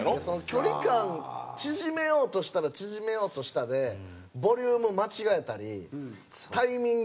距離感縮めようとしたら縮めようとしたでボリューム間違えたりタイミング早すぎたり。